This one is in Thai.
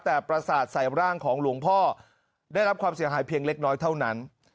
แต่ประสาทใส่ร่างของหลวงพ่อได้รับความเสียหายเพียงเล็กน้อยเท่านั้น